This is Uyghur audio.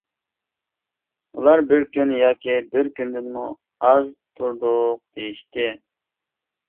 ئۇلار: «بىر كۈن ياكى بىر كۈندىنمۇ ئاز تۇردۇق» دېيىشتى.